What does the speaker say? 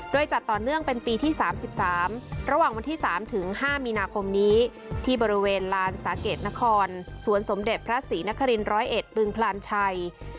โดยจัดต่อเนื่องเป็นปีที่สามสิบสามระหว่างวันที่สามถึงห้ามีนาคมนี้ที่บริเวณลานสาเกตนครสวนสมเด็จพระศรีนคริริร้อยเอ็ดบึงพลานชัย